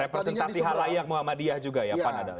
representasi halayak muhammadiyah juga ya